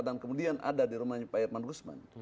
dan kemudian ada di rumahnya pak herman guzman